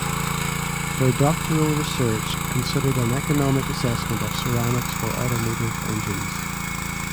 Her doctoral research considered an economic assessment of ceramics for automotive engines.